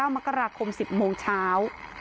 มกราคม๑๐โมงเช้า